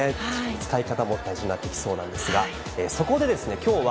使い方も大事になってきそうなんですが、そこでですね、きょうは、